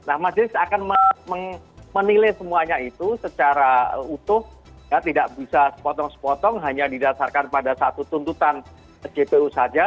nah majelis akan menilai semuanya itu secara utuh tidak bisa sepotong sepotong hanya didasarkan pada satu tuntutan jpu saja